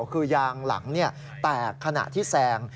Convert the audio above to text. คือยางหลังแตกขณะที่แซง